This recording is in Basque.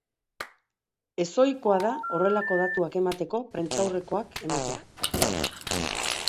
Ez ohikoa da horrelako datuak emateko prentsaurrekoak ematea.